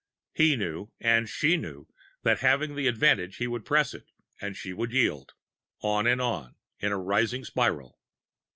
He knew, and she knew, that having the advantage he would press it and she would yield on and on, in a rising spiral.